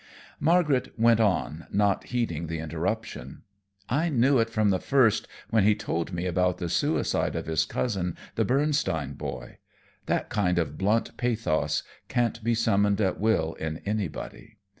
Margaret went on, not heeding the interruption. "I knew it from the first, when he told me about the suicide of his cousin, the Bernstein boy. That kind of blunt pathos can't be summoned at will in anybody.